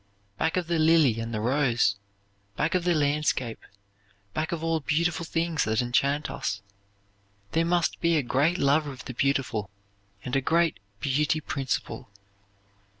Back of the lily and the rose, back of the landscape, back of all beautiful things that enchant us, there must be a great lover of the beautiful and a great beauty principle.